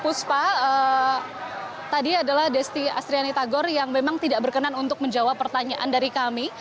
puspa tadi adalah desti astriani tagor yang memang tidak berkenan untuk menjawab pertanyaan dari kami